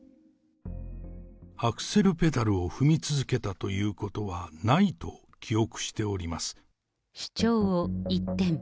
アクセルペダルを踏み続けたということはないと記憶しており主張を一転。